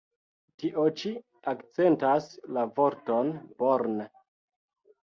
Tio ĉi akcentas la vorton "born".